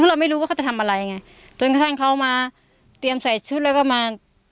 เราไม่รู้ว่าเขาจะทำอะไรไงจนกระทั่งเขามาเตรียมใส่ชุดแล้วก็มา